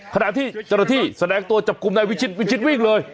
ขณะที่เจ้าหน้าที่แสดงตัวจับกลุ่มนายวิชิตวิชิตวิ่งเลย